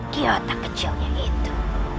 di otak kecilnya itu